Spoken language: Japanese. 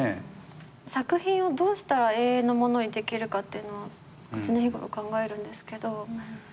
作品をどうしたら永遠のものにできるかっていうの常日頃考えるんですけど。